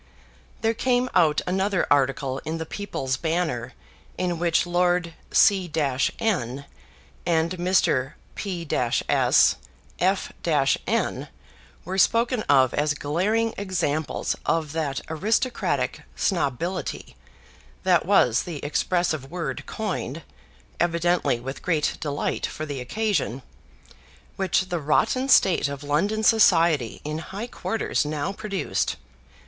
There came out another article in the People's Banner in which Lord C n and Mr. P s F n were spoken of as glaring examples of that aristocratic snobility, that was the expressive word coined, evidently with great delight, for the occasion, which the rotten state of London society in high quarters now produced.